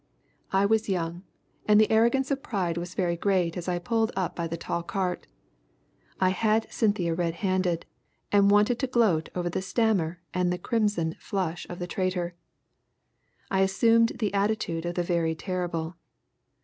I was young, and the arrogance of pride was very great as I pulled up by the tall cart. I had Cynthia red handed, and wanted to gloat over the stammer and the crimson flush of the traitor. I assumed the attitude of the very terrible.